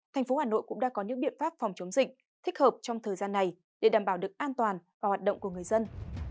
thành phố hà nội cũng đã có những biện pháp phòng chống dịch thích hợp trong thời gian này để đảm bảo được an toàn và hoạt động của người dân